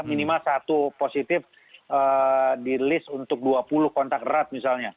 minimal satu positif di list untuk dua puluh kontak erat misalnya